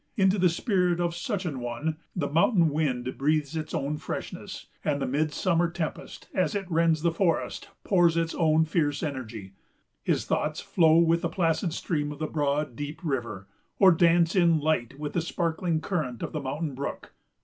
Into the spirit of such an one the mountain wind breathes its own freshness, and the midsummer tempest, as it rends the forest, pours its own fierce energy. His thoughts flow with the placid stream of the broad, deep river, or dance in light with the sparkling current of the mountain brook.